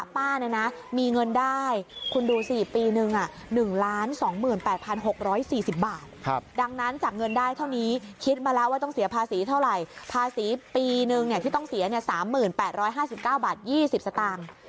ภาษีปีหนึ่งที่ต้องเสีย๓๐๘๕๙บาท๒๐สตางค์